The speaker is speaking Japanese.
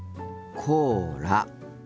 コーラ。